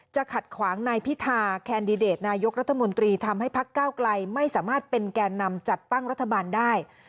ขัดขวางนายพิธาแคนดิเดตนายกรัฐมนตรีทำให้พักเก้าไกลไม่สามารถเป็นแก่นำจัดตั้งรัฐบาลได้